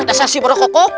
ada saksi berokok kok